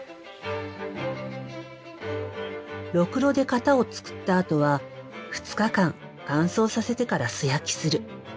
ろくろで型を作ったあとは２日間乾燥させてから素焼きする。